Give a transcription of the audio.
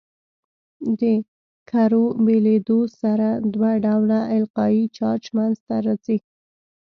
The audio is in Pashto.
د کرو بېلېدو سره دوه ډوله القایي چارج منځ ته راځي.